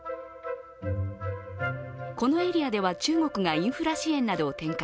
このエリアでは、中国がインフラ支援などを展開。